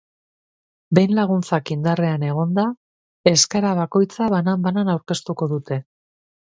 Behin laguntzak indarrean egonda, eskaera bakoitza banan-banan aztertuko dute.